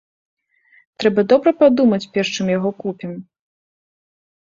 Трэба добра падумаць перш, чым яго купім.